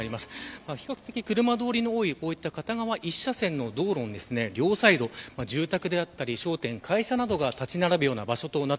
比較的車通りの多い片側１車線の道路に両サイド住宅や商店会社などが立ち並ぶような場所です。